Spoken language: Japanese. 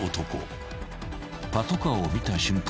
［パトカーを見た瞬間